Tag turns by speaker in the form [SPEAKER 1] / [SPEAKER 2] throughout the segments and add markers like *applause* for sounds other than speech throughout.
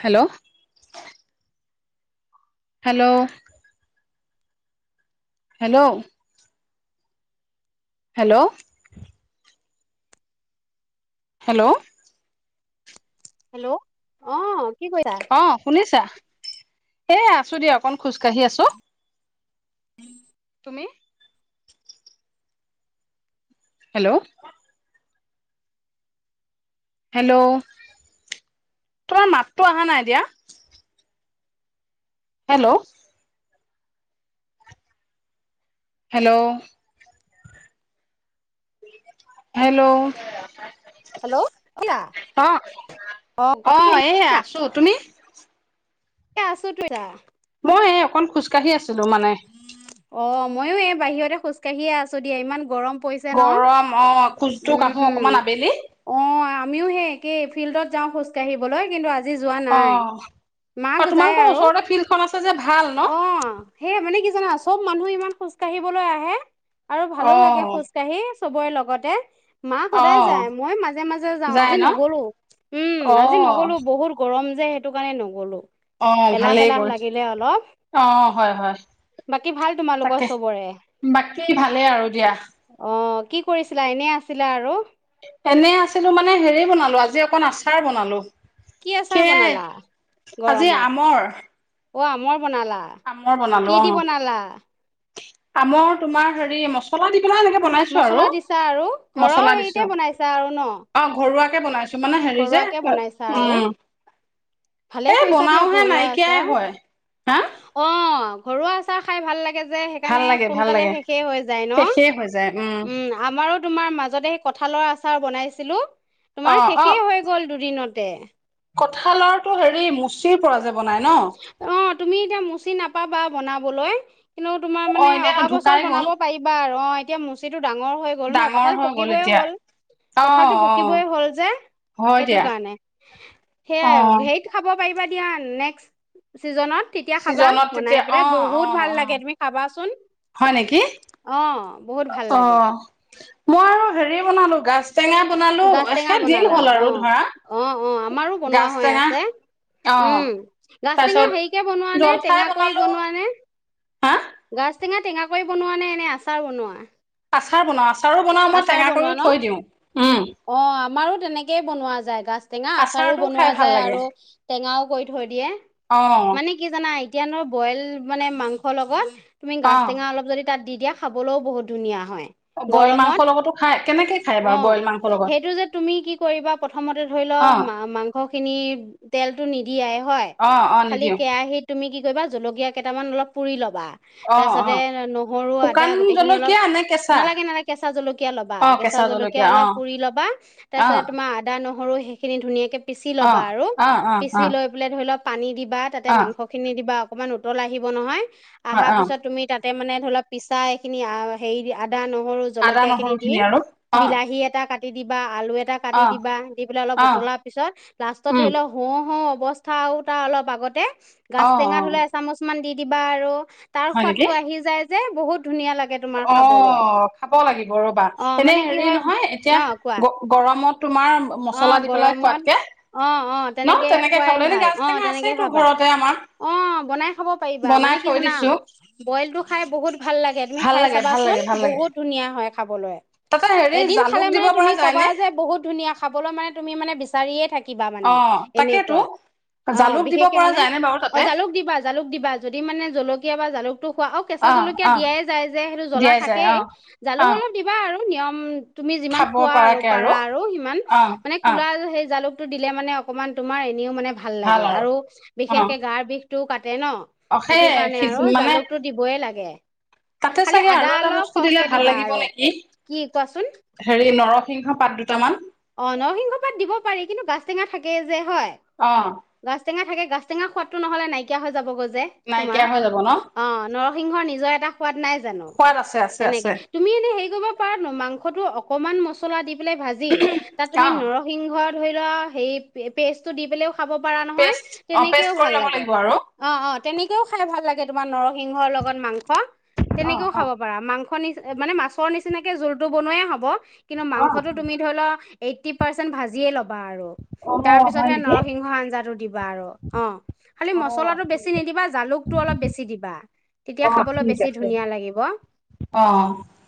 [SPEAKER 1] Hello hello hello hello hello
[SPEAKER 2] hello অ কি কৰিছা
[SPEAKER 1] অ, শুনিছা? এ আছো দিয়া, অকন খোজকাাঢ়ি আছো।
[SPEAKER 2] উম
[SPEAKER 1] তুমি হেল্ল' হেল্ল', তোমাৰ মাতটো আহা নাই এতিয়া। হেল্ল' হেল্ল' হেল্ল'
[SPEAKER 2] হেল্ল' অ
[SPEAKER 1] অ, অ এই আছো। তুমি?
[SPEAKER 2] এ আছো তো *unintelligible*
[SPEAKER 1] অ, এই অকন খোজকাঢ়ি আছো। ছিলো মানে
[SPEAKER 2] অ, ময়ো এই বাহিৰতে খোজকাঢ়িয়ে আছো দিয়া। ইমান গৰম পৰিছে ন?
[SPEAKER 1] গৰম অ খোজটো কাঢ়ো
[SPEAKER 2] উম,
[SPEAKER 1] অকমান আবেলি
[SPEAKER 2] অ আমিও সেই একেই। ফিল্ডত যাওঁ খোজ কঢ়িবলৈ, কিন্তু আ
[SPEAKER 1] অ, অ
[SPEAKER 2] যায়
[SPEAKER 1] তোমালোকৰ
[SPEAKER 2] আৰু
[SPEAKER 1] ওচৰতে ফিল্ডখন আছে যে ভাল ন?
[SPEAKER 2] অ সেই মানে কি জানা, চব মানুহে ইমান খোজ কাঢ়িবলৈ আহে। আৰু
[SPEAKER 1] অ
[SPEAKER 2] ভালো লাগে খোজকাঢ়ি। চবৰে লগতে মা
[SPEAKER 1] অ
[SPEAKER 2] সদায় যায়। মই মাজে মাজে যাওঁ।
[SPEAKER 1] যায়
[SPEAKER 2] আজি
[SPEAKER 1] ন
[SPEAKER 2] নগলো। উম,
[SPEAKER 1] অ
[SPEAKER 2] আজি নগলো। বহুত গৰম যে সেইটো কাৰণে নগ'লো
[SPEAKER 1] অ
[SPEAKER 2] এলাহ
[SPEAKER 1] ভালেই
[SPEAKER 2] এলাহ লাগিলে অলপ
[SPEAKER 1] কৰিছা। অ হয়।
[SPEAKER 2] বাকী
[SPEAKER 1] হয়।
[SPEAKER 2] ভাল তোমালোকৰ
[SPEAKER 1] তাকে,
[SPEAKER 2] চবৰে
[SPEAKER 1] বাকী ভালেই আৰু দিয়া।
[SPEAKER 2] অ কি কৰিছিলা? এনেই আছিলা আৰু।
[SPEAKER 1] এনে আছিলো মানে হেৰি বনালো আজি অকণ আচাৰ বনালো
[SPEAKER 2] কি আচাৰ
[SPEAKER 1] সেয়াই
[SPEAKER 2] বনালা
[SPEAKER 1] আজি
[SPEAKER 2] গৰমত
[SPEAKER 1] আমৰ।
[SPEAKER 2] অ' আমৰ বনালা,
[SPEAKER 1] আমৰ বনালো
[SPEAKER 2] কি
[SPEAKER 1] অ
[SPEAKER 2] দি বনালা?
[SPEAKER 1] আমৰ তোমাৰ হেৰি মছলা দি পেলাই এনেকে বনাইছো আৰু
[SPEAKER 2] মছলা দিছা আৰু ঘৰৰ
[SPEAKER 1] মছলা
[SPEAKER 2] হেৰিতে বনাইছা আৰু ন।
[SPEAKER 1] এনেকে বনাই ছ মানে হেৰি যে
[SPEAKER 2] ঘৰুৱাকে বনাইছা আৰু
[SPEAKER 1] উম,
[SPEAKER 2] ভালে
[SPEAKER 1] এই
[SPEAKER 2] কৰিছা দিয়া
[SPEAKER 1] বনাওহে
[SPEAKER 2] ঘৰুৱা
[SPEAKER 1] নাইকিয়াই
[SPEAKER 2] আচাৰ
[SPEAKER 1] হয়। হা?
[SPEAKER 2] অ ঘৰুৱা আছাৰ খাই ভাল লাগে। যে
[SPEAKER 1] ভাল
[SPEAKER 2] সেইকাৰণে
[SPEAKER 1] লাগে ভাল
[SPEAKER 2] সোনকালে
[SPEAKER 1] লাগে
[SPEAKER 2] শেষে হৈ যায় ন।
[SPEAKER 1] শেষেই হৈ যায়
[SPEAKER 2] উম আমাৰো তোমাৰ মাজতে সেই ক কঁঠালৰ আচাৰ বনাইছিলোঁ।
[SPEAKER 1] অ
[SPEAKER 2] তোমাৰ শেষেই হৈ গ'ল দুদিনত তে
[SPEAKER 1] কঁঠালৰটো হেৰি মুচিৰ পৰা যায়।
[SPEAKER 2] অ তুমি এতিয়া মচি নাপাবা বনাবলৈ কিন্তু তোমাৰ
[SPEAKER 1] অ
[SPEAKER 2] মানে
[SPEAKER 1] এতিয়া
[SPEAKER 2] অহা বছৰ
[SPEAKER 1] ঢুকাই গ'ল
[SPEAKER 2] বনাব পাৰিবা আৰু অ এতিয়া মুচিটোত ডাঙৰ হৈ গল ন,
[SPEAKER 1] ডাঙৰ
[SPEAKER 2] কঁঠাল
[SPEAKER 1] হৈ গ'ল
[SPEAKER 2] পকিবই
[SPEAKER 1] এতিয়া
[SPEAKER 2] হ'ল।
[SPEAKER 1] অ
[SPEAKER 2] কঁঠালতটো
[SPEAKER 1] অ
[SPEAKER 2] পকিবই হ'ল যে
[SPEAKER 1] হয়
[SPEAKER 2] সেইটো
[SPEAKER 1] দিয়া
[SPEAKER 2] কাৰণে
[SPEAKER 1] অ
[SPEAKER 2] সেয়াই আও হেৰিত খাব পাৰিবা দিয়া। নেক্সট ছিজনত তেতিয়া খাবা
[SPEAKER 1] ছিজনত তেতিয়া
[SPEAKER 2] বনাই
[SPEAKER 1] অ
[SPEAKER 2] পেলে
[SPEAKER 1] অ
[SPEAKER 2] বহুত ভাল
[SPEAKER 1] অ
[SPEAKER 2] লাগে তুমি খাবা চোন।
[SPEAKER 1] হয় নেকি?
[SPEAKER 2] ভাল লাগে
[SPEAKER 1] অহ। মই আৰু হেৰি বনালো গাজ টেঙা বনালো
[SPEAKER 2] গাজ টেঙা
[SPEAKER 1] সেই দিন
[SPEAKER 2] বনালা।
[SPEAKER 1] হ'ল
[SPEAKER 2] অ,
[SPEAKER 1] আৰু ধৰা
[SPEAKER 2] অ, অ আমাৰো বনোৱা
[SPEAKER 1] গাজ
[SPEAKER 2] হৈ
[SPEAKER 1] টেঙা
[SPEAKER 2] আছে।
[SPEAKER 1] অ
[SPEAKER 2] উম, গাজ টেঙা
[SPEAKER 1] তাৰপিছত
[SPEAKER 2] হেৰিকে বনোৱা নে
[SPEAKER 1] জলফাই
[SPEAKER 2] টেঙা কৰি
[SPEAKER 1] বনালো
[SPEAKER 2] বনোৱা নে?
[SPEAKER 1] হা
[SPEAKER 2] গাজ টেঙা টেঙা কৰি বনোৱা নে এনে আচাৰ বনোৱা?
[SPEAKER 1] আচাৰ বনাও আচা আচাৰো বনাও মই
[SPEAKER 2] আচাৰ
[SPEAKER 1] টেঙা
[SPEAKER 2] বনোৱা
[SPEAKER 1] কৰি
[SPEAKER 2] ন
[SPEAKER 1] থৈ দিওঁ, উম।
[SPEAKER 2] অ আমাৰো তেনেকেই বনোৱা যায়। গাছ টেঙা আচাৰো
[SPEAKER 1] আচাৰটোও
[SPEAKER 2] বনোৱা
[SPEAKER 1] খাই ভাল
[SPEAKER 2] যায়
[SPEAKER 1] লাগে
[SPEAKER 2] আৰু টেঙাও কৰি থৈ দিয়ে।
[SPEAKER 1] অ
[SPEAKER 2] মানে কি জানা এতিয়া নো বইল মানে মাংস লগত তুমি
[SPEAKER 1] অ
[SPEAKER 2] গাজ টেঙা অলপ যদি তাত দি দিয়া। খাবলৈও বহুত ধুনীয়া হয়।
[SPEAKER 1] বইল মাং
[SPEAKER 2] গৰমত
[SPEAKER 1] *inaudible*
[SPEAKER 2] অ
[SPEAKER 1] লগত
[SPEAKER 2] সেইটো যে তুমি কি কৰিবা প্ৰথমতে ধৰি ল
[SPEAKER 1] অ
[SPEAKER 2] মা-মাংস খিনি তেলটো নি *inaudible* দিয়াই হয়।
[SPEAKER 1] অ অ
[SPEAKER 2] খালি
[SPEAKER 1] নিদিওঁ
[SPEAKER 2] কেৰাহী তুমি কি কৰিবা জলকীয়া কেইটামান অলপ পুৰি ল'বা
[SPEAKER 1] অ অ
[SPEAKER 2] তাছতে নহৰু, আদা
[SPEAKER 1] শুকান
[SPEAKER 2] গোটেইখিনি অলপ
[SPEAKER 1] জলকীয়া নে কেঁচা
[SPEAKER 2] নালাগে-নালাগে কেচ *inaudible* কেঁচা জলকীয়া ল'বা কেঁচা জলকীয়া অলপ পুৰি লবা তাৰ
[SPEAKER 1] অ
[SPEAKER 2] পিছত তোমাৰ আদা নহৰু সেইখিনি ধুনীয়াকে পিচি
[SPEAKER 1] অ
[SPEAKER 2] ল'বা আৰু
[SPEAKER 1] অ অ
[SPEAKER 2] পিচি
[SPEAKER 1] অ
[SPEAKER 2] লৈ পেলাই ধৰি ল পানী দি *inaudible* বা তাতে
[SPEAKER 1] অ
[SPEAKER 2] মাংস খিনি দিবা অকণমান উতল আহিব নহয়
[SPEAKER 1] হয়
[SPEAKER 2] আহা
[SPEAKER 1] অ
[SPEAKER 2] পিছত তুমি তাত *inaudible* তে মানে ধৰি লওক পিছা এইখিনি *unintelligible* হেৰি দি *inaudible* *inaudible* দা নহৰু জল *inaudible* *inaudible*
[SPEAKER 1] আদা
[SPEAKER 2] কীয়া খিনি
[SPEAKER 1] নহৰু
[SPEAKER 2] দি
[SPEAKER 1] আৰু অ
[SPEAKER 2] বিলাহী এটা কাট দি দিবা আলু এটা কাটি
[SPEAKER 1] অ
[SPEAKER 2] দিবা দি পেলাই অলপ
[SPEAKER 1] অ
[SPEAKER 2] উতলাৰ পিছত লাষ্টত
[SPEAKER 1] উম
[SPEAKER 2] ধৰি লও হোও-হোও অৱস্থাও তাৰ অলপ আগতে
[SPEAKER 1] অ
[SPEAKER 2] গাছ টেঙা
[SPEAKER 1] অ
[SPEAKER 2] ধৰি লোৱা এচামুচ মান দি কিবা আৰু তাৰ
[SPEAKER 1] হয় নেকি
[SPEAKER 2] সোৱাদটো আহি যায় যে বহুত ধুনীয়া লাগে তোমাৰ
[SPEAKER 1] অ
[SPEAKER 2] খাবলৈ
[SPEAKER 1] খাব লাগিব ৰবা
[SPEAKER 2] অ
[SPEAKER 1] এনে
[SPEAKER 2] মানে কি
[SPEAKER 1] হেৰি
[SPEAKER 2] হয়
[SPEAKER 1] নহয় এতিয়া
[SPEAKER 2] অ কোৱা
[SPEAKER 1] গ-গৰমত
[SPEAKER 2] অ গৰমত অ-অ
[SPEAKER 1] ন
[SPEAKER 2] তেনেকে খুৱাই
[SPEAKER 1] খাবলৈ এনে
[SPEAKER 2] ভাল
[SPEAKER 1] গাজ
[SPEAKER 2] অ
[SPEAKER 1] টেঙা
[SPEAKER 2] তেনেকে
[SPEAKER 1] আছেতো
[SPEAKER 2] খাবা
[SPEAKER 1] ঘৰতে আমাৰ
[SPEAKER 2] অ বনাই খাব পাৰিবা
[SPEAKER 1] বনাই
[SPEAKER 2] মানে কি
[SPEAKER 1] থৈ
[SPEAKER 2] জানা
[SPEAKER 1] দিছো
[SPEAKER 2] বইলটো খাই বহুত ভাল লাগে তুমি
[SPEAKER 1] ভাল
[SPEAKER 2] খাই
[SPEAKER 1] লাগে ভাল
[SPEAKER 2] চাবাচোন
[SPEAKER 1] লাগে ভাল লাগে
[SPEAKER 2] বহুত ধুনীয়া হয় খাবলৈ।
[SPEAKER 1] তাতে হেৰি
[SPEAKER 2] এদিন
[SPEAKER 1] জালুক
[SPEAKER 2] খালে
[SPEAKER 1] দিব
[SPEAKER 2] মানে তুমি
[SPEAKER 1] পৰা
[SPEAKER 2] ক'বা
[SPEAKER 1] যায়নে
[SPEAKER 2] যে বহুত ধুনীয়া খাবলৈ মানে তুমি মানে বিচাৰিয়েই থা *inaudible* কিবা
[SPEAKER 1] অ
[SPEAKER 2] মানে
[SPEAKER 1] তাকেতো
[SPEAKER 2] এনেকুৱা অ
[SPEAKER 1] জালুক দিব
[SPEAKER 2] বিশেষকে
[SPEAKER 1] পৰা
[SPEAKER 2] মানে
[SPEAKER 1] যায়নে বাৰু
[SPEAKER 2] অ
[SPEAKER 1] তাতে
[SPEAKER 2] জালুক দিবা জালুক দিবা যদি মানে জলকীয়া বা জালুক টো খোৱা অ কেঁচা জলকীয়া দিয়াই যায় যে সেইটো জলা
[SPEAKER 1] দিয়াই যায়
[SPEAKER 2] থাকেই
[SPEAKER 1] অ
[SPEAKER 2] জালুক
[SPEAKER 1] অ
[SPEAKER 2] অলপ দিবা আৰু নিয়ম তুমি যিমান
[SPEAKER 1] খাব
[SPEAKER 2] খোৱা আৰু
[SPEAKER 1] পৰাকে
[SPEAKER 2] পাৰা আৰু সিমান
[SPEAKER 1] অ
[SPEAKER 2] মানে
[SPEAKER 1] অ
[SPEAKER 2] কুলা *unintelligible* সেই জালুক তো দিলে মানে অকণমান তোমাৰ নিও মানে ভাল লাগে আৰু
[SPEAKER 1] অ
[SPEAKER 2] বিশেষকে গাৰ বিষ টো কাট তে ন
[SPEAKER 1] অ সেই
[SPEAKER 2] সেইটো কাৰণে আৰু
[SPEAKER 1] মানে
[SPEAKER 2] জালুকতটো দিবই লাগে।
[SPEAKER 1] তাতে
[SPEAKER 2] খালি
[SPEAKER 1] চাগে
[SPEAKER 2] আদা
[SPEAKER 1] আৰু এটা
[SPEAKER 2] অলপ
[SPEAKER 1] বস্তু দিলে
[SPEAKER 2] সহকে
[SPEAKER 1] ভাল
[SPEAKER 2] দিবা
[SPEAKER 1] লাগিব
[SPEAKER 2] আৰু
[SPEAKER 1] নেকি,
[SPEAKER 2] কি কোৱাচোন
[SPEAKER 1] হেৰি নৰস সিংহ পাত দুটামান
[SPEAKER 2] অ নৰসিংহ পাত দিব পাৰি কিন্তু গাজ টেঙা থাকেই যে হয়।
[SPEAKER 1] অ
[SPEAKER 2] গাজ টেঙা থাকে গাজ টেঙা সোৱাদটো নহ'লে নাইকিয়া হৈ যাবগৈ যে
[SPEAKER 1] নাইকিয়া
[SPEAKER 2] তোমাৰ
[SPEAKER 1] হৈ যাব ন
[SPEAKER 2] অ নৰ সিংহৰ নিজৰ এটা সোৱাদ নাই জানো
[SPEAKER 1] সোৱাদ আছে আছে
[SPEAKER 2] তেনেকে?
[SPEAKER 1] আছে
[SPEAKER 2] তুমি এনেই হেৰি কৰিব পাৰা নো মাংসটো অকণমান মছলা দি পেলাই ভাজি তাত তুমি
[SPEAKER 1] অ
[SPEAKER 2] নৰসিংহত ধৰি লোৱা হেৰি পেষ্টটো দি পেলাই ও খাব পাৰা নহয়
[SPEAKER 1] পেষ্ট অ পেষ্ট
[SPEAKER 2] তেনেকেও
[SPEAKER 1] কৰি
[SPEAKER 2] ভাল
[SPEAKER 1] ল'ব
[SPEAKER 2] লাগে
[SPEAKER 1] লাগিব আৰু
[SPEAKER 2] অ' অ' তেনেকৈও খালে ভাল লাগে তোমাৰ নৰসিংহৰ লগত মাংস
[SPEAKER 1] অ
[SPEAKER 2] তেনেকেও খাব পাৰা মাংস খনি মানে মাছৰ নিচিনাকে জোলখিনি বনোৱায়ে হ'ব। কিন্তু
[SPEAKER 1] অ
[SPEAKER 2] মাংসটো তুমি ধৰি লোৱা এইটি পাৰ্চেন্ট ভাজিয়ে ল'ব বাৰু
[SPEAKER 1] অ অ
[SPEAKER 2] তাৰ
[SPEAKER 1] হয়
[SPEAKER 2] পিছতহে
[SPEAKER 1] নেকি
[SPEAKER 2] নৰসিংহ আঞ্জাটো দিবা আৰু অ খালি
[SPEAKER 1] অ
[SPEAKER 2] মছলাটো বেছি
[SPEAKER 1] ঠিক আছে
[SPEAKER 2] নিদিবা জালুকটো অলপ বেছি দিবা। তেতিয়া
[SPEAKER 1] অ
[SPEAKER 2] খাবলৈ
[SPEAKER 1] ঠিক
[SPEAKER 2] বেছি
[SPEAKER 1] আছে
[SPEAKER 2] ধুনীয়া লাগিব।
[SPEAKER 1] অ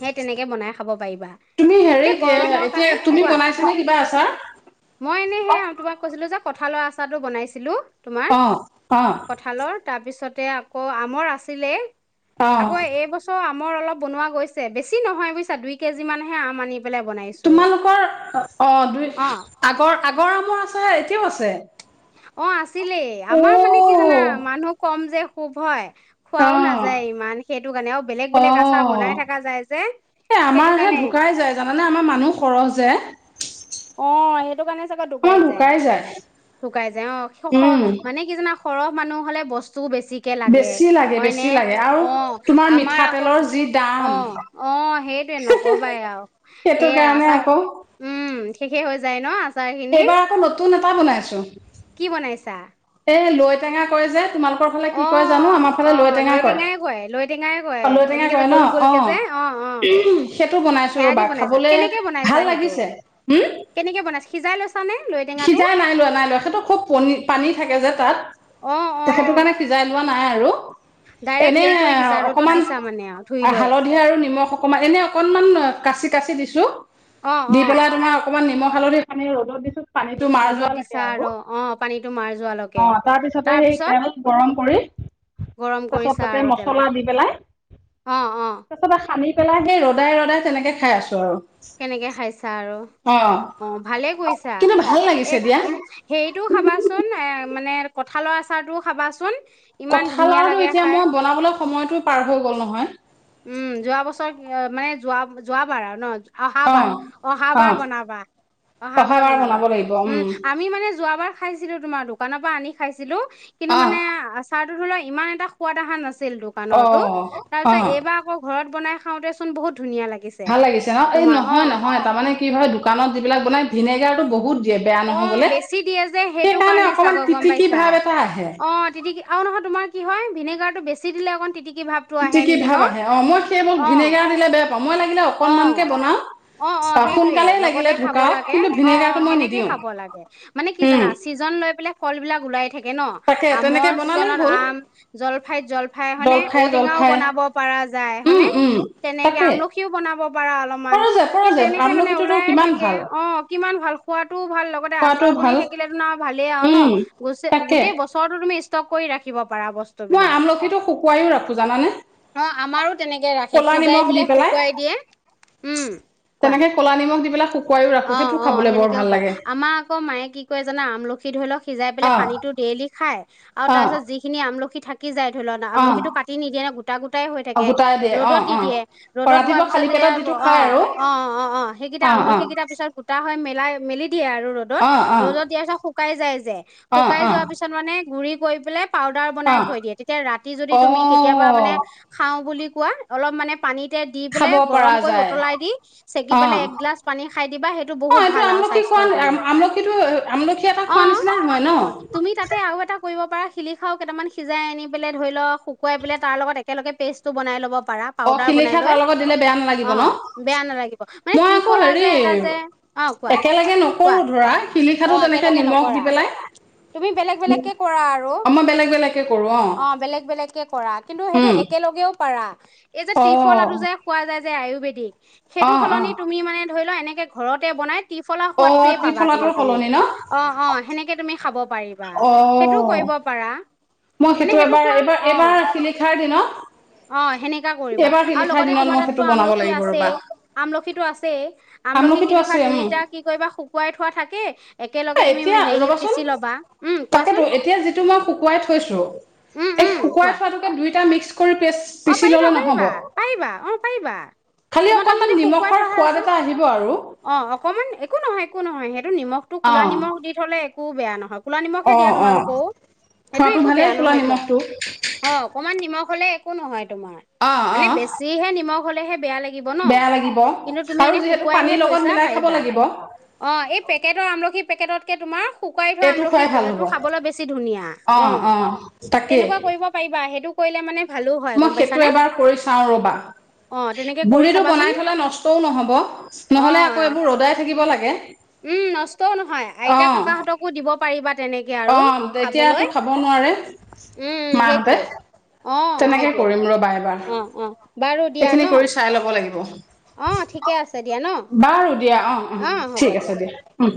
[SPEAKER 2] সেই তেনেকে বনাই খাব পাৰিবা।
[SPEAKER 1] তুমি হেৰি
[SPEAKER 2] এতিয়া গৰমৰ
[SPEAKER 1] এতিয়া
[SPEAKER 2] কাৰণে
[SPEAKER 1] তুমি
[SPEAKER 2] কোৱা
[SPEAKER 1] বনাইছানে কিবা আচাৰ
[SPEAKER 2] মই এনেই সেয়া আৰু তোমাক কৈছিলো যে কঁঠালৰ আচাৰটো বনাইছিলোঁ তোমাৰ
[SPEAKER 1] অ অ
[SPEAKER 2] কঁঠালৰ তাৰপিছত তে আকৌ আমৰ আছিলে আকৌ
[SPEAKER 1] অ
[SPEAKER 2] এই বছৰ আমৰ অলপ বনোৱা গৈছে। বেছি নহয় বুজিছা দুই কেজি মানহে আম আনি। পেলাই বনাইছো।
[SPEAKER 1] তোমালোকৰ অ দুই
[SPEAKER 2] অ
[SPEAKER 1] আগৰ আগৰ আমৰ আছে এতিয়াও আছে
[SPEAKER 2] অ আছিলে
[SPEAKER 1] অ
[SPEAKER 2] আমাৰ মানে কি জানা মানুহ কম যে হোভয় খোৱাও নাযায়
[SPEAKER 1] অ
[SPEAKER 2] ইমান সেটো কাৰণে আৰু বেলেগ
[SPEAKER 1] অ
[SPEAKER 2] বেলেগ আচাৰ বনাই থকা যায় যে
[SPEAKER 1] এ আমাৰ
[SPEAKER 2] সেটো
[SPEAKER 1] হে
[SPEAKER 2] কাৰণে।
[SPEAKER 1] ঢুকাই যায় জানানে আমাৰ মানুহ সৰহ যে
[SPEAKER 2] অ সেইটো কাৰণে তে
[SPEAKER 1] আমাৰ
[SPEAKER 2] দুকাই যায়।
[SPEAKER 1] ঢুকাই
[SPEAKER 2] ঢুকাই যায়। অঃ খ খ
[SPEAKER 1] উম
[SPEAKER 2] মানে কিজানা সৰহ মানুহ হ'লে বছ তু বেছিকে লাগে
[SPEAKER 1] বেছি লাগে
[SPEAKER 2] হয়নে?
[SPEAKER 1] বেছি লাগে আৰু
[SPEAKER 2] অ
[SPEAKER 1] তোমাৰ
[SPEAKER 2] আমাৰ আকৌ
[SPEAKER 1] মিঠাতেলৰ
[SPEAKER 2] কি
[SPEAKER 1] যি
[SPEAKER 2] অ
[SPEAKER 1] দাম
[SPEAKER 2] অ সেইটোৱে নকবাই আও
[SPEAKER 1] সেইটো
[SPEAKER 2] সেইয়াই
[SPEAKER 1] কাৰণে
[SPEAKER 2] আচা কি
[SPEAKER 1] আকৌ
[SPEAKER 2] উম শেষে হৈ যায় ন আছ
[SPEAKER 1] এইবাৰ আকৌ নতুন এ ত বনাইছোঁ
[SPEAKER 2] কি বনাইছা?
[SPEAKER 1] এ লৈ টেঙা কয় যে তোমালোক
[SPEAKER 2] অ' অ' লৈ টেঙাই কয় লৈ টেঙাই কয়
[SPEAKER 1] অ লৈ টেঙা
[SPEAKER 2] এনেকে যে
[SPEAKER 1] কয়
[SPEAKER 2] গোল
[SPEAKER 1] ন
[SPEAKER 2] গোলকে যে, অ অ
[SPEAKER 1] সেইটো বনাইছো
[SPEAKER 2] সেয়া দি
[SPEAKER 1] ৰ'বা
[SPEAKER 2] বনাইছা
[SPEAKER 1] খাবলে
[SPEAKER 2] কেনেকে বনাইছা
[SPEAKER 1] ভাল
[SPEAKER 2] সেইটো
[SPEAKER 1] লাগিছে হম
[SPEAKER 2] কেনেকে বনাইছা সিজাই লৈছা নে লৈ টেঙাটো
[SPEAKER 1] সিজাই নাই লোৱা নাই লোৱা সেইটো খুব পনি পানী থাকে যে তা অত
[SPEAKER 2] অ অ
[SPEAKER 1] তেখেতো কাণে সিজাই লোৱা নাই আৰু।
[SPEAKER 2] ডাইৰেক্ট
[SPEAKER 1] এনে
[SPEAKER 2] হেৰি কৰি দিছা ৰ'দত
[SPEAKER 1] অকমান
[SPEAKER 2] দিছা মানে আৰু ধুই লৈ
[SPEAKER 1] হালধি আৰু নিমখ অকমান এনে অকনমান কাচি কাচি দিছো
[SPEAKER 2] অ
[SPEAKER 1] দি
[SPEAKER 2] অ
[SPEAKER 1] পেলাই তোমাৰ অকমান নিমখ হালধি সানি ৰ'দত দিছো পানীটো মাৰ
[SPEAKER 2] ৰ'দত
[SPEAKER 1] যোৱা লেকে
[SPEAKER 2] দিছা
[SPEAKER 1] আৰু।
[SPEAKER 2] অ পানীটো মাৰ যোৱালৈকে
[SPEAKER 1] অ তাৰপিছতে সেই
[SPEAKER 2] তাৰপিছত
[SPEAKER 1] তেল গৰম কৰি
[SPEAKER 2] গৰম কৰিছা
[SPEAKER 1] কেচাপতে
[SPEAKER 2] আৰু তেলত
[SPEAKER 1] মছলা দি পেলাই
[SPEAKER 2] অ অ
[SPEAKER 1] তাপিছতে সানি পলাদাই ৰদাই ৰদাই তেনেকে খাই আছো আৰু। অ
[SPEAKER 2] অঁ ভালে কৰিছা,
[SPEAKER 1] কিন্তু ভাল লাগিছে
[SPEAKER 2] এহ
[SPEAKER 1] দিয়া
[SPEAKER 2] হেইটো খাবাচোন এ মানে কঁঠালৰ আচাৰটোও খাবাচোন ইমান ধুনীয়া
[SPEAKER 1] কঁঠালৰটো
[SPEAKER 2] লাগে
[SPEAKER 1] এতিয়া
[SPEAKER 2] খাই
[SPEAKER 1] মই বনাবলৈ সময়টো পাৰ হৈ গ'ল নহয়।
[SPEAKER 2] উম যোৱা বছৰ ক মানে যোৱা যোৱাবাৰ আও ন অহাবাৰ,
[SPEAKER 1] অ',
[SPEAKER 2] অহাবাৰ
[SPEAKER 1] অ',
[SPEAKER 2] বনাবা। অহাবাৰ বনাবা উম, আমি মানে যোৱাবাৰ খাইছিলো তোমাৰোক কানপা আনি খাইছিলোঁ কিন্তু
[SPEAKER 1] অ',
[SPEAKER 2] মানে আচাৰটো ঢোলৈ ইমান এটা সোৱাদ অহা নাচ চিল দোকানৰতো
[SPEAKER 1] অ',
[SPEAKER 2] তাৰপিছ
[SPEAKER 1] অ',
[SPEAKER 2] এইবাৰ আকৌ ঘৰত বনাই খাওঁতেচোন বহুত
[SPEAKER 1] ভাল লাগিছে ন এই
[SPEAKER 2] তোমাৰ অ',
[SPEAKER 1] নহয় নহয় তাৰমানে কি হয় দোকানত যিবিলাক বনাই ভিনেগাৰ বহুত দিয়ে বেয়া
[SPEAKER 2] অ
[SPEAKER 1] নহ'বলে।
[SPEAKER 2] বেছি দিয়ে যে সেইটো
[SPEAKER 1] সেইকাৰণে
[SPEAKER 2] কাৰণে
[SPEAKER 1] অকমান
[SPEAKER 2] চাগৰ গম
[SPEAKER 1] তিতিকি
[SPEAKER 2] পাইছা
[SPEAKER 1] ভাৱ এটা আহে
[SPEAKER 2] অ তিতিকি আৰু নহয় তোমাৰ কি হয় ভিনেগাৰটো বেছি চি দিলে অকণ তিতিক
[SPEAKER 1] তিতিকি ভাৱ আহে অ মই সেইবোৰ
[SPEAKER 2] অ',
[SPEAKER 1] ভিনেগাৰ দিলে বেয়া প
[SPEAKER 2] অ অ অ সেইটোয়েই
[SPEAKER 1] সোনকালেই লাগিলে
[SPEAKER 2] লগতে খাব
[SPEAKER 1] ঢুকাওক
[SPEAKER 2] লাগে
[SPEAKER 1] কিন্তু
[SPEAKER 2] অ অ
[SPEAKER 1] ভিনেগাৰটো মই
[SPEAKER 2] সেনেকেই
[SPEAKER 1] নিদিওঁ
[SPEAKER 2] খাব লাগে মানে কি
[SPEAKER 1] উম।
[SPEAKER 2] জানা চিজন লৈ পেলাই ফলবিলাক ওলাই থাকে থাকে ন
[SPEAKER 1] তাকে তেনেকে
[SPEAKER 2] আমৰ
[SPEAKER 1] বনালেই
[SPEAKER 2] চিজনত
[SPEAKER 1] হ'ল
[SPEAKER 2] আম, জলফাইত জলফাই হয়নে
[SPEAKER 1] জলফাই
[SPEAKER 2] ঔটেঙাও
[SPEAKER 1] জলফাই
[SPEAKER 2] বনাব পাৰা যায়
[SPEAKER 1] উম,
[SPEAKER 2] হয়নে
[SPEAKER 1] উম,
[SPEAKER 2] তেনেকে
[SPEAKER 1] তাকে
[SPEAKER 2] আমলখি মিও বনাব পৰা অলপমান,
[SPEAKER 1] পৰা যায় পৰা
[SPEAKER 2] সেই
[SPEAKER 1] যায়
[SPEAKER 2] তেনেকে মানে
[SPEAKER 1] আমলখিটোতো
[SPEAKER 2] ওলাইয়ে
[SPEAKER 1] কিমান
[SPEAKER 2] থাকে
[SPEAKER 1] ভাল
[SPEAKER 2] অ কিমান ভাল খোৱাটো ভাল লগতে
[SPEAKER 1] খোৱাটো
[SPEAKER 2] আচাৰ বনি
[SPEAKER 1] ভাল
[SPEAKER 2] থাকিলে তুন আও ভালেই আও ন
[SPEAKER 1] উম,
[SPEAKER 2] গুচ
[SPEAKER 1] তাকে
[SPEAKER 2] গোটেই বস্তু টো তুমি ষ্টক কৰি ৰাখিব পৰা
[SPEAKER 1] মই
[SPEAKER 2] বস্তুবিলাক
[SPEAKER 1] আমলখিটো শুকুৱাইও ৰাখো জানানে
[SPEAKER 2] অ' আমাৰো তেনেকে ৰাখে
[SPEAKER 1] ক'লা
[SPEAKER 2] সিজাই
[SPEAKER 1] নিমখ দি
[SPEAKER 2] পেলায় শুক
[SPEAKER 1] পেলাই
[SPEAKER 2] খোৱাই দিয়ে, উম কোৱা।
[SPEAKER 1] তেনেকে ক'লা নিমখ দি পেলাই শুকুৱাইও
[SPEAKER 2] অ
[SPEAKER 1] ৰাখো সেইটো
[SPEAKER 2] অ
[SPEAKER 1] খাবলৈ বৰ
[SPEAKER 2] সেনেকেও
[SPEAKER 1] ভাল
[SPEAKER 2] পাৰা
[SPEAKER 1] লাগে
[SPEAKER 2] আমাৰ আকৌ মায়ে কি কৈ জানা আমলখি ধৰি লওক সিজাই পেলাই
[SPEAKER 1] অ',
[SPEAKER 2] পানীটো ডেইলি খাই আৰু
[SPEAKER 1] অ',
[SPEAKER 2] তাৰপিছত যিখিনি আমলখি থাকে ঢাকি যায় ধৰি ল
[SPEAKER 1] অ',
[SPEAKER 2] আমলখিটো কাটি নিদিয়ে ন গোটা গোটাই হৈ
[SPEAKER 1] অ',
[SPEAKER 2] থাকে
[SPEAKER 1] গোটাই দিয়ে
[SPEAKER 2] ৰ'দত
[SPEAKER 1] অ',
[SPEAKER 2] দি
[SPEAKER 1] অ', অ',
[SPEAKER 2] দিয়ে ৰ'দত হোৱাৰ
[SPEAKER 1] ৰাতিপুৱা
[SPEAKER 2] পিছত
[SPEAKER 1] খালী
[SPEAKER 2] যেতিয়া
[SPEAKER 1] পেটত
[SPEAKER 2] অ
[SPEAKER 1] যিটো খাই আৰু
[SPEAKER 2] অ অ অ সেইকেইটা
[SPEAKER 1] অ',
[SPEAKER 2] আমলখি
[SPEAKER 1] অ',
[SPEAKER 2] কেইটা টা হয় মেলাই মেলি দ দিয়ে আৰু ৰ'দত,
[SPEAKER 1] অ', অ',
[SPEAKER 2] ৰ'দত দিয়াৰ পিছত শুকাই যায় যে,
[SPEAKER 1] অ',
[SPEAKER 2] শুকাই
[SPEAKER 1] অ',
[SPEAKER 2] যোৱাৰ পিছত মানে গুৰিত গৈ পেলাই পাউডাৰ বনাই
[SPEAKER 1] অ',
[SPEAKER 2] থৈ দিয়ে তেতিয়া ৰাতি যদি তুমি কেতিয়াবা মানে
[SPEAKER 1] অ',
[SPEAKER 2] খাওঁ বুলি কোৱা অলপ মানে পানীতে দি
[SPEAKER 1] খাব
[SPEAKER 2] পেলাই গৰম
[SPEAKER 1] পৰা
[SPEAKER 2] কৰি
[SPEAKER 1] যায়
[SPEAKER 2] উতলাই দি চেকি পেলাই
[SPEAKER 1] অ',
[SPEAKER 2] এক গিলাছ পানী দিবা সেইটো
[SPEAKER 1] অ
[SPEAKER 2] বহুত
[SPEAKER 1] এইটো
[SPEAKER 2] ভাল আৰু
[SPEAKER 1] আমলখি খোৱা
[SPEAKER 2] স্বাস্থ্যৰ কাৰণে
[SPEAKER 1] আমলখিটো আমলখি এটা
[SPEAKER 2] অ,
[SPEAKER 1] খোৱা নিচিনাই হয় ন
[SPEAKER 2] অ তুমি তাতে আৰু এটা ব পাৰা, শিলিখাওঁ কেটামান সিজাই আনি পেলাই ধৰি লও শুকুৱাই পেলাই তাৰ লগত একেলগে পেষ্টটো বনাই ল'ব পাৰা
[SPEAKER 1] অ
[SPEAKER 2] পাউডাৰ বনাই
[SPEAKER 1] শিলিখা
[SPEAKER 2] লৈ,
[SPEAKER 1] তাৰ লগত দিলে বেয়া
[SPEAKER 2] অ
[SPEAKER 1] নালাগিব ন
[SPEAKER 2] বেয়া নালাগিব মানে ত্ৰিফলা যে এটা
[SPEAKER 1] এৰ,
[SPEAKER 2] যে অ কোৱা
[SPEAKER 1] একেলগে
[SPEAKER 2] কোৱা
[SPEAKER 1] নকৰো ধৰা
[SPEAKER 2] অ
[SPEAKER 1] শিলিখাটো তেনেকে
[SPEAKER 2] একেলগে
[SPEAKER 1] নিমখ দি
[SPEAKER 2] নকৰা
[SPEAKER 1] পেলাই
[SPEAKER 2] তুমি বেলেগ বেলেগকে কৰা আৰু,
[SPEAKER 1] মই বেলেগ বেলেগকে কৰো
[SPEAKER 2] অ বেলেগ বেলেগকে কৰা কিন্তু সেইটো
[SPEAKER 1] উম
[SPEAKER 2] একেলগেও পাৰা এই যে
[SPEAKER 1] অ
[SPEAKER 2] ত্ৰিফলাটো যে খোৱা যায় যে আয়ুৰ্বেদিক
[SPEAKER 1] অ
[SPEAKER 2] সেইটো সলনি তুমি মানে ধৰি লও এনেকৈ ঘৰতে বনাই তিফলা
[SPEAKER 1] অ অ
[SPEAKER 2] সোৱাদটোৱে পাবা
[SPEAKER 1] ত্ৰিফলাটোৰ
[SPEAKER 2] কিন্তু। তুমি
[SPEAKER 1] সলনি ন
[SPEAKER 2] অ অ সেনেকে তুমি খাব ব পাৰি
[SPEAKER 1] অ মই
[SPEAKER 2] মানে
[SPEAKER 1] সেইটো এবাৰ
[SPEAKER 2] খোৱা
[SPEAKER 1] এইবাৰ
[SPEAKER 2] অ
[SPEAKER 1] এইবাৰ শিলিখাৰ দিনত
[SPEAKER 2] অ সেনেকা কৰিবা
[SPEAKER 1] এইবাৰ
[SPEAKER 2] আৰু
[SPEAKER 1] শিলিখাৰ
[SPEAKER 2] লগতে
[SPEAKER 1] দিনত
[SPEAKER 2] তোমাৰ
[SPEAKER 1] মই
[SPEAKER 2] তাতটো
[SPEAKER 1] সেইটো বনাব
[SPEAKER 2] আমলখি
[SPEAKER 1] লাগিব ৰবা
[SPEAKER 2] আছেই, আমলখিটো আছেই, আমলখি
[SPEAKER 1] আমলখিটো
[SPEAKER 2] শিলিখা
[SPEAKER 1] আছে উম
[SPEAKER 2] দুইটা কি কৰিবা শুকুৱাই থোৱা থাকে। একেলগে তুমি
[SPEAKER 1] এতিয়া
[SPEAKER 2] হেৰি
[SPEAKER 1] ৰবাচোন,
[SPEAKER 2] পিচি ল'বা উম
[SPEAKER 1] তাকেতো
[SPEAKER 2] কোৱাচোন
[SPEAKER 1] এতিয়া যিটো মই শুকুৱাই থৈছো
[SPEAKER 2] উম
[SPEAKER 1] এই
[SPEAKER 2] উম
[SPEAKER 1] শুকুৱাই
[SPEAKER 2] কোৱা
[SPEAKER 1] থোৱাটোকে দুইটা মিক্স কৰি পেচ
[SPEAKER 2] অ
[SPEAKER 1] পিচি
[SPEAKER 2] পাৰিবা
[SPEAKER 1] ললে নহব
[SPEAKER 2] পাৰিবা, পাৰিবা অ পাৰিবা
[SPEAKER 1] খালি
[SPEAKER 2] তোমাৰ তাত
[SPEAKER 1] অকনমান
[SPEAKER 2] যদি শুকুৱাই
[SPEAKER 1] নিমখৰ
[SPEAKER 2] থোৱাহে
[SPEAKER 1] সোৱাদ
[SPEAKER 2] আছে।
[SPEAKER 1] এটা আহিব আৰু
[SPEAKER 2] অ অকমান একো নহয় একো নহয়। হেইত নিমখতটো
[SPEAKER 1] অ
[SPEAKER 2] কোলা নিমখ দি থলে একো বেয়া নহয়, কোলা নিমখে
[SPEAKER 1] অ
[SPEAKER 2] দিয়া
[SPEAKER 1] অ
[SPEAKER 2] তোমালোকও, সেইটো
[SPEAKER 1] খোৱাটো
[SPEAKER 2] একো বেয়া
[SPEAKER 1] ভালেই কোলা
[SPEAKER 2] নহয় দিয়া।
[SPEAKER 1] নিমখটো
[SPEAKER 2] অ অকনমান নিমখ হ'লে কোন হয় তোমাৰ
[SPEAKER 1] অঁ
[SPEAKER 2] মানে
[SPEAKER 1] অঁ
[SPEAKER 2] বেছিহে নিমখ হলেহে বেয়ালাগ দিব ন
[SPEAKER 1] বেয়া লাগিব
[SPEAKER 2] কিন্তু তুমি
[SPEAKER 1] আৰু
[SPEAKER 2] এনে
[SPEAKER 1] যিহেতু
[SPEAKER 2] শুকুৱাই হে
[SPEAKER 1] পানীৰ লগত মিলাই খাব
[SPEAKER 2] থৈছাপাৰিবা।
[SPEAKER 1] লাগিব
[SPEAKER 2] অ পেকেটৰ আমলখি পেকেটত তাকে তোমাৰ শুকাই থোৱা
[SPEAKER 1] এইটো খুৱাই ভাল
[SPEAKER 2] আমলখিটো
[SPEAKER 1] হ'ব
[SPEAKER 2] খাবলৈ বেছি ধুনীয়া অ
[SPEAKER 1] তাকেই
[SPEAKER 2] তেনেকুৱা কৰিব পাৰিবা সেইটো কৰিলে মানে ভালো হয়
[SPEAKER 1] মই
[SPEAKER 2] গম
[SPEAKER 1] সেইটো
[SPEAKER 2] পাইছানে
[SPEAKER 1] এবাৰ কৰি চাও ৰ'বা।
[SPEAKER 2] অ তেনেকে কৰি
[SPEAKER 1] বুৰিটো
[SPEAKER 2] চাবাচোন
[SPEAKER 1] বনাই থলে নষ্টও নহ'ব। নহলে
[SPEAKER 2] অ
[SPEAKER 1] আকৌ এইবোৰ ৰ'দাই থাকিব লাগে হয়
[SPEAKER 2] উম নষ্টও নহয় আইতা-ককাহঁতকো দিব পাৰিবা তেনেকে
[SPEAKER 1] অ
[SPEAKER 2] আৰু খাবলৈ
[SPEAKER 1] তেতিয়াতো খাব নোৱাৰে,
[SPEAKER 2] উম
[SPEAKER 1] মাহঁতে।
[SPEAKER 2] সেইটোৱে অ
[SPEAKER 1] তেনেকে
[SPEAKER 2] সেইটোৱে
[SPEAKER 1] কৰিম ৰবা এবাৰ,
[SPEAKER 2] অ অ বাৰু দিয়া
[SPEAKER 1] এইখিনি
[SPEAKER 2] ন
[SPEAKER 1] কৰি চাই ল'ব লাগিব।
[SPEAKER 2] অ ঠিকে আছে দিয়া ন
[SPEAKER 1] বাৰু দিয়া অ অ ঠিক আছে দিয়া উম।